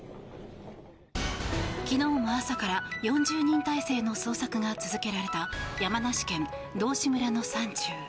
昨日も朝から４０人態勢の捜索が続けられた山梨県道志村の山中。